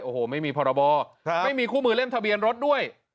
โอ้โหไม่มีพรบไม่มีคู่มือเล่มทะเบียนรถด้วย